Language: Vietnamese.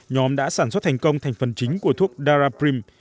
nhóm đã sản xuất thành công thành phần chính của thuốc darraprim